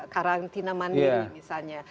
karantina mandiri misalnya